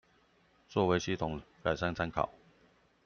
作為系統改善參考